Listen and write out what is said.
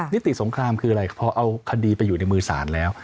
นิติสงครามคืออะไรพอเอาคดีไปอยู่ในมือศาลแล้ว